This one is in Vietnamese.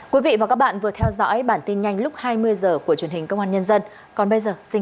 quý vị và các bạn vừa theo dõi bản tin nhanh lúc hai mươi h của truyền hình công an nhân dân còn bây giờ xin kính chào tạm biệt